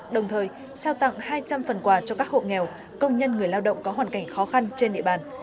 đồng thời trao tặng hai trăm linh phần quà cho các hộ nghèo công nhân người lao động có hoàn cảnh khó khăn trên địa bàn